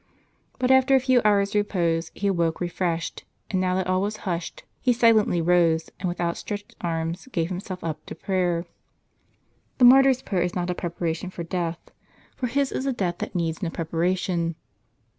But, after a few hours' repose, he awoke refreshed ; and now that all was hushed, he silently rose, and with outstretched arms, gave himself up to prayer. The martyr's prayer is not a preparation for death ; for his is a death that needs no preparation.